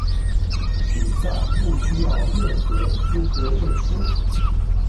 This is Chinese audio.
比赛不需要任何资格证书。